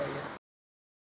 bakal berikutnya ya